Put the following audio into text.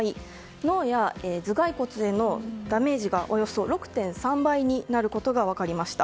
脳や頭蓋骨への脳がダメージがおよそ６．３倍になることが分かりました。